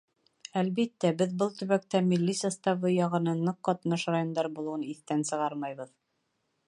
Әлбиттә, беҙ был төбәктә милли составы яғынан ныҡ ҡатнаш райондар булыуын иҫтән сығармайбыҙ.